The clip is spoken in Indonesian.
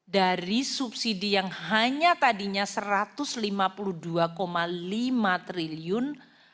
dari subsidi yang hanya tadinya rp satu ratus lima puluh dua lima triliun